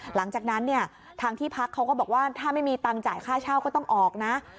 หลังจากนั้นเนี่ยทางที่พักเขาก็บอกว่าถ้าไม่มีตังค์จ่ายค่าเช่าก็ต้องออกนะ